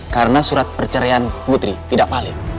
karena surat perceraian putri tidak valid